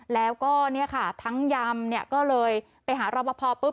แล้วก็ทั้งยำก็เลยไปหารับราพพอปุ๊บ